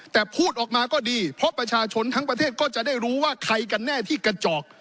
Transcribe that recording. แต่พูดออกมาก็ดีเพราะประชาชนทั้งประเทศก็จะได้รู้ว่าใครกันแน่ที่กระจอก